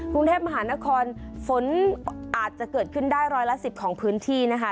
กรุงเทพมหานครฝนอาจจะเกิดขึ้นได้ร้อยละ๑๐ของพื้นที่นะคะ